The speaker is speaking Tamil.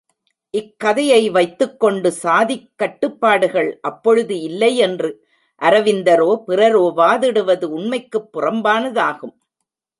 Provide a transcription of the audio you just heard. இக்கதையை வைத்துக் கொண்டு சாதிக் கட்டுப்பாடுகள் அப்பொழுது இல்லையென்று அரவிந்தரோ, பிறரோ வாதிடுவது உண்மைக்குப் புறம்பானதாகும்.